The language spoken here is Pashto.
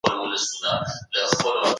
کېدای سي قاضي قاتل ته بخښنه ونه کړي.